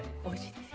おいしい！